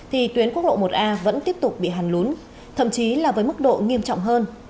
thì tuyến quốc lộ một a vẫn tiếp tục bị hàn lún thậm chí là với mức độ nghiêm trọng hơn